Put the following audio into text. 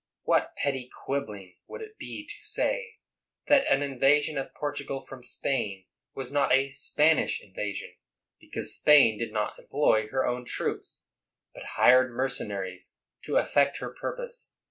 What petty quibbling would it be tc say that an invasion of Portugal from Spain was not a Spanish invasion, because Spain did not employ her own troops, but hired mercenaries to effect her purpose?